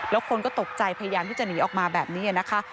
แล้วคนก็ตกใจพยายามที่จะหนีออกมาแบบนี้นะคะ